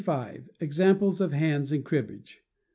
Examples of Hands in Cribbage.